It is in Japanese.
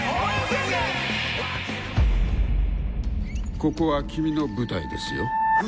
ここは君の舞台ですよ。